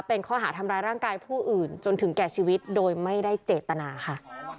เป็นข้อหาทำร้ายร่างกายผู้อื่นจนถึงแก่ชีวิตโดยไม่ได้เจตนาค่ะ